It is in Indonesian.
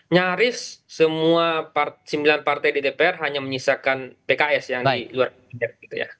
nyaris semua sembilan partai di dpr hanya menyisakan pks yang di luar kabinet